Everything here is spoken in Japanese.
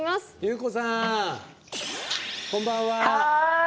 こんばんは。